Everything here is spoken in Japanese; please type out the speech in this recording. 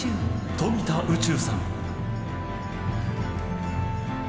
「富田宇宙さん」。